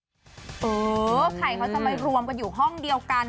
เออไข่เขาจะมารวมกันอยู่ห้องเดียวกัน